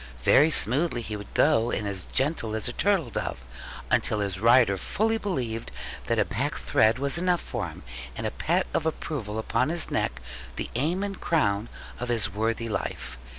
Very smoothly he would go, and as gentle as a turtle dove; until his rider fully believed that a pack thread was enough for him, and a pat of approval upon his neck the aim and crown of his worthy life.